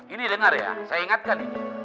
ini dengar ya saya ingatkan